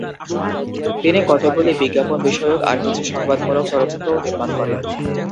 তিনি কতকগুলি বিজ্ঞাপন বিষয়ক আর কিছু সংবাদমূলক চলচ্চিত্রও নির্মাণ করেন।